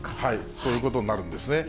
そういうことになるんですね。